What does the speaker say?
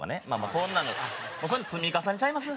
そんなんのそういうのの積み重ねちゃいます？